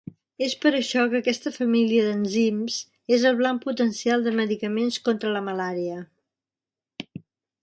És per això que aquesta família d'enzims és el blanc potencial de medicaments contra la malària.